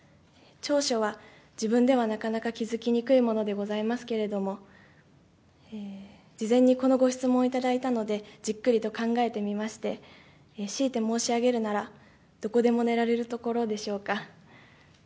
長所は、自分ではなかなか気付きにくいものでございますけれども、事前にこのご質問を頂いたので、じっくりと考えてみまして、強いて申し上げるなら、どこでも寝られるところでしょうか。